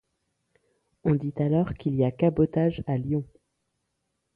On dit alors qu'il y a cabotage à Lyon.